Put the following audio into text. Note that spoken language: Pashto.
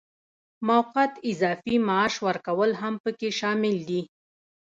موقت اضافي معاش ورکول هم پکې شامل دي.